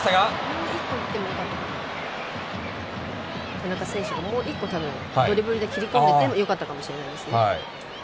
田中選手、もう一個ドリブルで切り込んでいってもよかったかもしれないですね。